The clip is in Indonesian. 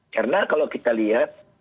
karena kalau kita lihat